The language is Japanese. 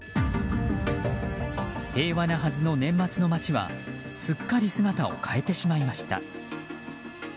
平和なはずの年末の町はすっかり姿を変えてしまいました。